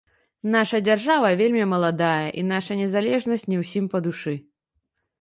Наша дзяржава вельмі маладая, і наша незалежнасць не ўсім па душы.